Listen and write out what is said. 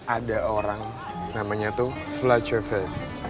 ada orang namanya tuh vlad cephas